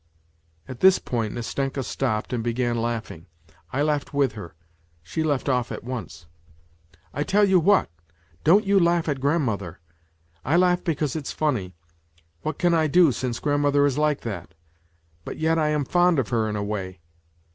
..." At this point Nastenka stopped and began laughing. I laughed with her. She left off at once. " I tell you what, don't you laugh at grandmother. I laugh because it's funny. ... What can I do, since grandmother is like that ; but yet I am fond of her in a way.